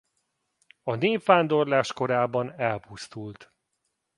A népvándorlás korában elpusztult.